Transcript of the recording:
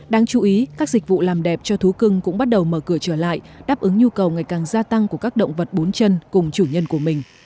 đáng chú ý các dịch vụ làm đẹp cho thú cưng cũng bắt đầu mở cửa trở lại đáp ứng nhu cầu ngày càng gia tăng của các động vật bốn chân cùng chủ nhân của mình